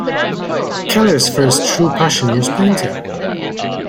Keller's first true passion was painting.